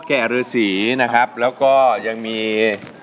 พ่อแก่หรือสีนะครับแล้วก็ยังมี